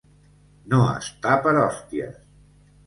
No estar per hòsties.